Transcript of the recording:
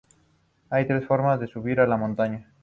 Hay tres formas de subir a la montaña.